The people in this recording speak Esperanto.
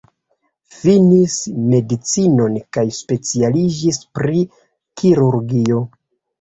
Finis medicinon kaj specialiĝis pri kirurgio.